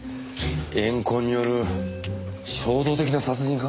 怨恨による衝動的な殺人か？